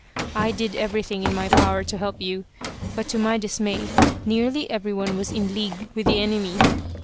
I did everything in my power to help you, but to my dismay nearly everyone was in league with the enemy.